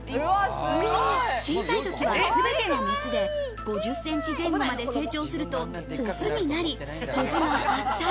小さい時は、すべてがメスで、５０ｃｍ前後まで成長するとオスになり、コブが発達。